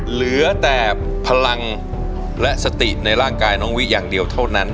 เหลือแต่พลังและสติในร่างกายน้องวิอย่างเดียวเท่านั้น